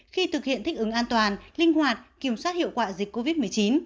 khi thực hiện thích ứng an toàn linh hoạt kiểm soát hiệu quả dịch covid một mươi chín